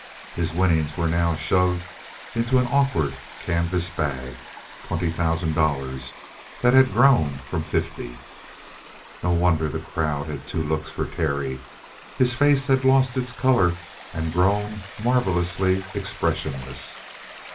His winnings were now shoved into an awkward canvas bag. Twenty thousand dollars! That had grown from the fifty. No wonder the crowd had two looks for Terry. His face had lost its color and grown marvellously expressionless.